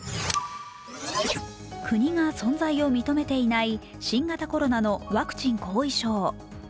国が存在を認めていない新型コロナのワクチン後遺症。